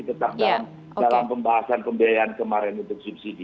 tetap dalam pembahasan pembiayaan kemarin untuk subsidi